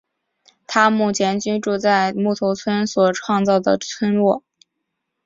他目前居住在木头村所创造的村落。